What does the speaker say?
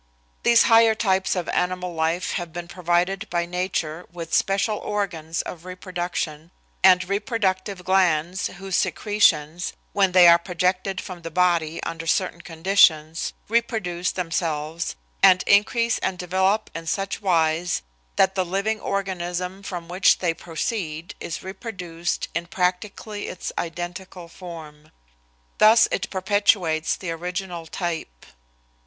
These higher types of animal life have been provided by nature with special organs of reproduction and reproductive glands whose secretions, when they are projected from the body under certain conditions, reproduce themselves, and increase and develop in such wise that the living organism from which they proceed is reproduced in practically its identical form. Thus it perpetuates the original type.